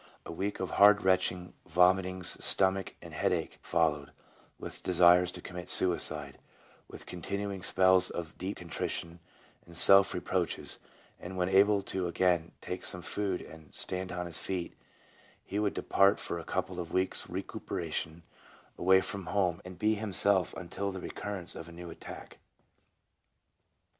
A week of hard retching, vomitings, stomach and head ache followed, with desires to commit suicide, with continuing spells of deep contrition and self reproaches, and when able to again take some food and stand on his feet, he would depart for a couple of weeks' recuperation away from home, and be himself until the occurrence of a new attack."